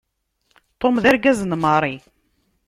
Tom d argaz n Mary.